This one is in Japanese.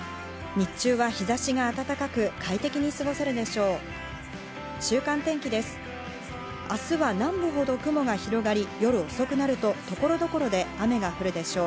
日中は日差しが暖かく快適に過ごせるでしょう。